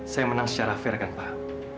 saya menang secara fair kan pak